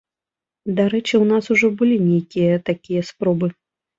Дарэчы, у нас ужо былі нейкія такія спробы.